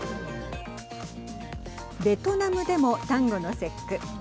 ベトナムでも端午の節句。